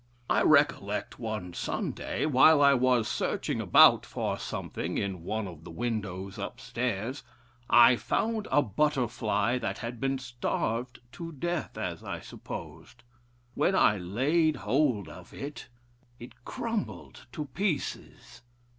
I recollect one Sunday, while I was searching about for something in one of the windows upstairs, I found a butterfly that had been starved to death, as I supposed. When I laid hold of it, it crumbled to pieces.